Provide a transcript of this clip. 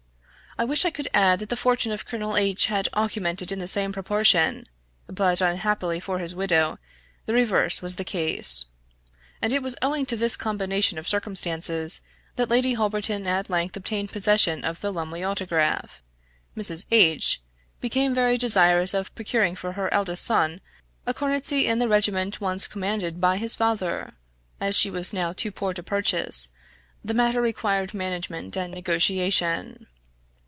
I wish I could add that the fortune of Colonel H had augmented in the same proportion; but, unhappily for his widow, the reverse was the case; and it was owing to this combination of circumstances that Lady Holberton at length obtained possession of the Lumley Autograph. Mrs. H became very desirous of procuring for her eldest son a cornetcy in the regiment once commanded by his father; as she was now too poor to purchase, the matter required management and negotiation.